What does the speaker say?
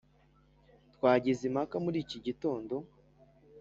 twagize impaka muri iki gitondo.